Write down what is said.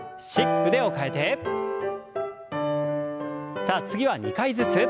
さあ次は２回ずつ。